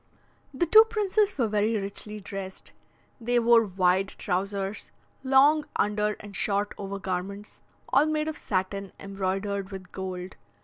The two princes were very richly dressed; they wore wide trousers, long under and short over garments, all made of satin, embroidered with gold.